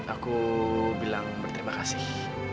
aku bilang berterima kasih